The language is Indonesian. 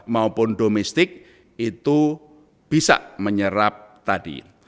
maupun domestik itu bisa menyerap tadi